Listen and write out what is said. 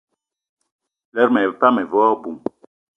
Lerma epan ive wo aboum.